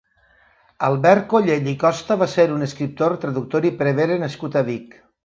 Albert Collell i Costa va ser un escriptor, traductor i prevere nascut a Vic.